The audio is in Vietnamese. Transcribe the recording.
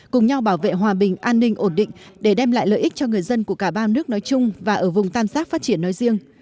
cùng nhau bảo vệ hòa bình an ninh ổn định để đem lại lợi ích cho người dân của cả ba nước nói chung và ở vùng tam giác phát triển nói riêng